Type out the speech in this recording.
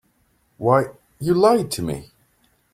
Why, you lied to me.